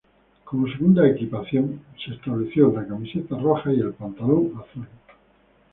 Como segunda equipación se estableció la camiseta roja y el pantalón azul.